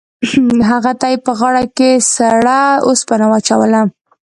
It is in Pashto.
هغه ته یې په غاړه کې سړه اوسپنه واچوله.